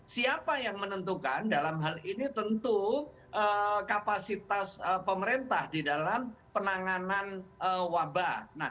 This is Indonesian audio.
siapa yang menentukan dalam hal ini tentu kapasitas pemerintah di dalam penanganan wabah